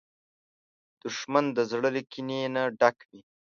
دښمن د زړه له کینې نه ډک وي